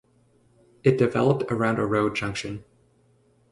It developed around a road junction.